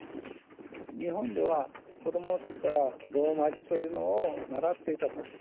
日本では子どもの時からローマ字というのを習っていたと。